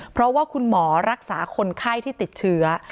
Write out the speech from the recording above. เพราะว่าคุณหมอรักษาคนไข้ที่ติดเชื้อ